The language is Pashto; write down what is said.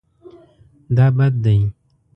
دا بد دی